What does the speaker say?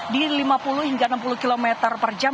di lima puluh hingga enam puluh km per jam